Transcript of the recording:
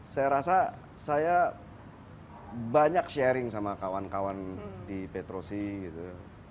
saya rasa saya banyak sharing sama kawan kawan di petrosi gitu